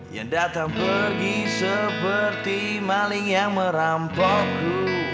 yang datang pergi seperti maling yang merampokku